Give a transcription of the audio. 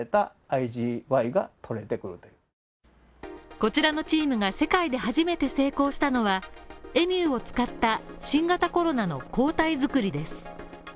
こちらのチームが世界で初めて成功したのは、エミューを使った新型コロナの抗体作りです。